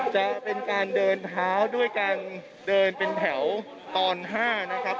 จะเป็นการเดินเท้าด้วยการเดินเป็นแถวตอน๕นะครับ